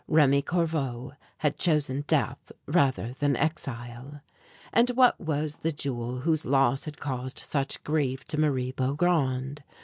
Remi Corveau had chosen death rather than exile. And what was the jewel whose loss had caused such grief to Marie Beaugrand?